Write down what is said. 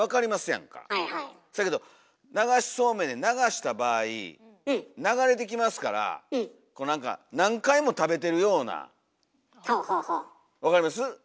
せやけど流しそうめんで流した場合流れてきますからこう何か何回も食べてるようなわかります？